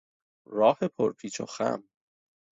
راه پرپیچ و خم